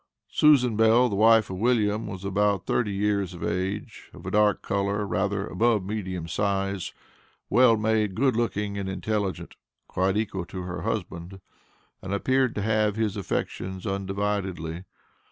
Susan Bell, the wife of William, was about thirty years of age, of a dark color, rather above medium size, well made, good looking, and intelligent quite equal to her husband, and appeared to have his affections undividedly.